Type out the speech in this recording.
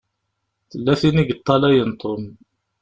Tella tin i yeṭṭalayen Tom.